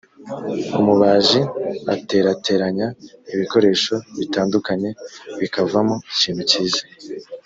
umubaji aterateranya ibikoresho bitandukanye bikavamo ikintu cyiza